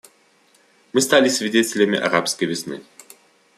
Мы стали свидетелями «арабской весны».